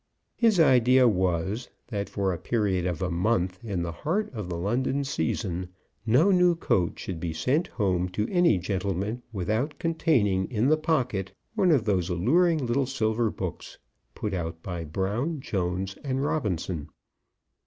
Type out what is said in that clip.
His idea was, that for a period of a month in the heart of the London season, no new coat should be sent home to any gentleman without containing in the pocket one of those alluring little silver books, put out by Brown, Jones, and Robinson.